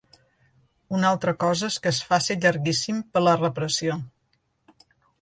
Una altra cosa és que es faci llarguíssim per la repressió.